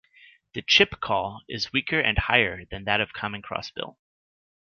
The "chip" call is weaker and higher than that of common crossbill.